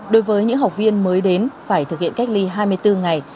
đối với những học viên mới đến phải thực hiện cách ly hai mươi bốn ngày